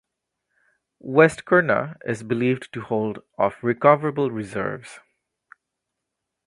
West Qurna is believed to hold of recoverable reserves.